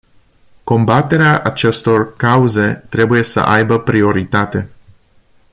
Combaterea acestor cauze trebuie ă aibă prioritate.